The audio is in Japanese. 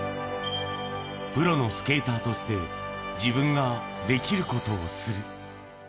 プロのスケーターとして自分ができることをする。